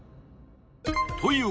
という